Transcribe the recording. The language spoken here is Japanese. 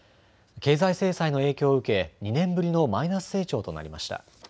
経済制裁の影響を受け２年ぶりのマイナス成長となりました。